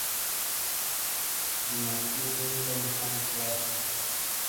جُماتییو چھوم ٹھم تھیا۔